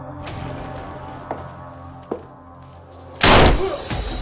うわっ！